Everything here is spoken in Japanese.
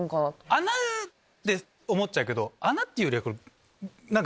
穴って思っちゃうけど穴っていうよりは何か。